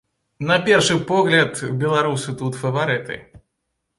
На першы погляд, беларусы тут фаварыты.